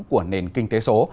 của nền kinh tế số